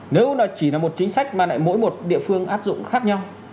nếu nó chỉ là một chính sách mà lại mỗi một địa phương áp dụng khác nhau